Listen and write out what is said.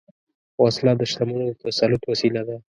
وسله د شتمنو د تسلط وسیله ده